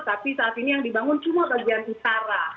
tapi saat ini yang dibangun cuma bagian utara